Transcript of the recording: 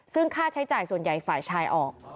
ซึ่งค่าใช้จ่ายส่วนใหญ่ฝ่ายชายออก